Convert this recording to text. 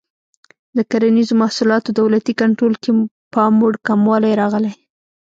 د کرنیزو محصولاتو دولتي کنټرول کې پاموړ کموالی راغی.